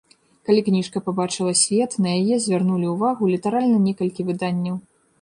Калі кніжка пабачыла свет, на яе звярнулі ўвагу літаральна некалькі выданняў.